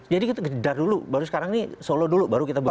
jadi kita gedar dulu baru sekarang ini solo dulu baru kita bergerak